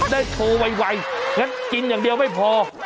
ได้โทว่วัยอย่างนั้นกินอย่างเดียวไม่พอ